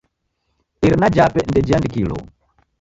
Irina jape ndejiandikilo.